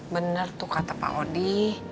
benar tuh kata pak odi